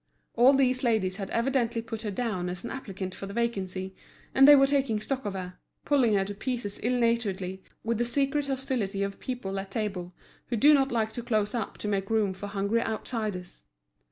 All these ladies had evidently put her down as an applicant for the vacancy, and they were taking stock of her, pulling her to pieces ill naturedly, with the secret hostility of people at table who do not like to close up to make room for hungry outsiders.